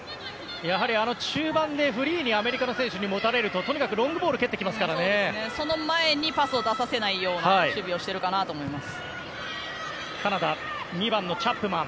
中盤でフリーでアメリカのチームに持たれるととにかくロングボールをその前にパスを出させないような守備をしてるかなと思います。